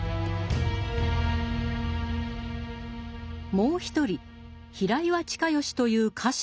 もう一人平岩親吉という家臣が登場する。